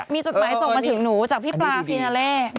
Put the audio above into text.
มีจดหมายส่งมาถึงหนูจากพี่ปลาฟีนาเล่